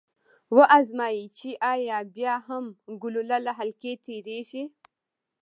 و ازمايئ چې ایا بیا هم ګلوله له حلقې تیریږي؟